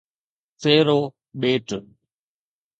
Pharaoh ٻيٽ